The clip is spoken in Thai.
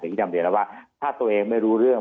ที่นำเรียนแล้วว่าถ้าตัวเองไม่รู้เรื่อง